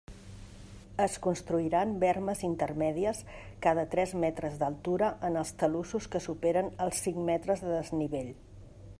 Es construiran bermes intermèdies cada tres metres d'altura en els talussos que superen els cinc metres de desnivell.